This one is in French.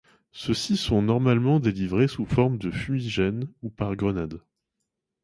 Ceux-ci sont normalement délivrés sous forme de fumigènes ou par grenade.